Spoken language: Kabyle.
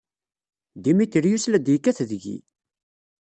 Demetrius la d-yekkat deg-i!